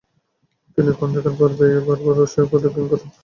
তিনি খন্দকের পাড় বেয়ে বার বার অশ্বে চড়ে প্রদক্ষিণ করেন।